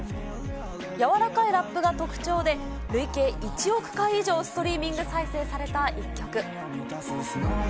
柔らかいラップが特徴で、累計１億回以上ストリーミング再生された１曲。